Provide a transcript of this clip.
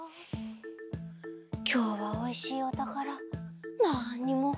きょうはおいしいおたからなんにもほりだせなかったね。